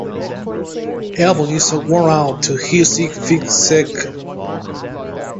Alvin is so worn-out he seeks psychiatric help to solve his problems.